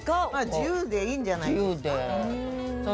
自由でいいんじゃないですか。